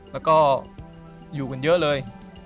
แล้วก็อยู่กันเยอะเลย